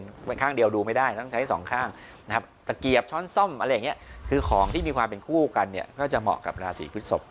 มันข้างเดียวดูไม่ได้ต้องใช้สองข้างนะครับตะเกียบช้อนซ่อมอะไรอย่างเงี้ยคือของที่มีความเป็นคู่กันเนี่ยก็จะเหมาะกับราศีพฤศพ